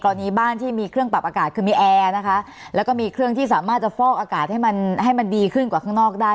ตอนนี้บ้านที่มีเครื่องปรับอากาศคือมีแอร์นะคะแล้วก็มีเครื่องที่สามารถจะฟอกอากาศให้มันให้มันดีขึ้นกว่าข้างนอกได้